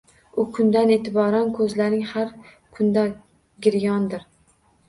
U kundan eʻtiboran koʻzlaring har kunda giryondir